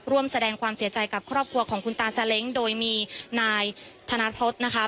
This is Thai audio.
ร่วมแสดงความเสียใจกับครอบครัวของคุณตาซาเล้งโดยมีนายธนทศนะคะ